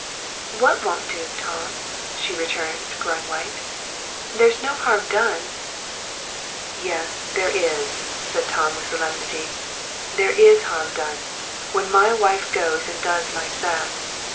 "What won't do, Tom?" she returned, growing white. "There's no harm done." "Yes, there is," said Tom, with solemnity; "there is harm done, when my wife goes and does like that.